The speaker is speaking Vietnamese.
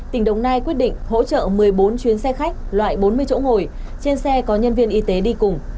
tỉnh đồng nai quyết định hỗ trợ một mươi bốn chuyến xe khách loại bốn mươi chỗ ngồi trên xe có nhân viên y tế đi cùng